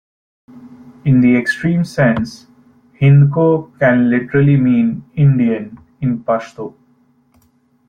In the extreme sense, Hindko can literally mean "Indian" in Pashto.